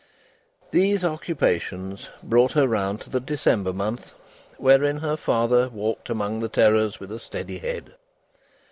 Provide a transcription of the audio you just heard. These occupations brought her round to the December month, wherein her father walked among the terrors with a steady head.